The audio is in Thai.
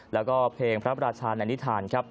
แล้วก็เพลงพระพระราชาในนิธาน